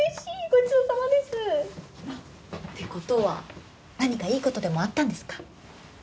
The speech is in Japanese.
ごちそうさまですてことは何かいいことでもあったんですか？